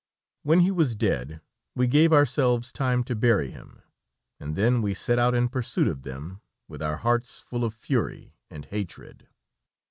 When he was dead, we gave ourselves time to bury him, and then we set out in pursuit of them, with our hearts full of fury and hatred.